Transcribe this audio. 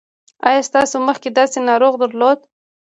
ایا تاسو مخکې داسې ناروغ درلود؟